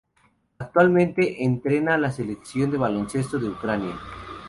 Actualmente entrena a la Selección de baloncesto de Ucrania.